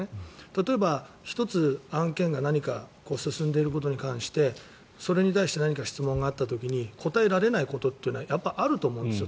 例えば、１つ案件が何か進んでいることに関してそれに対して何か質問があった時に答えられないことというのはあると思うんですよ。